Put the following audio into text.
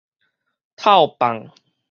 透放